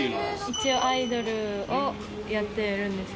一応、アイドルをやっているんです。